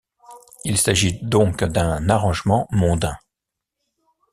Il s'agit donc d'un arrangement mondain.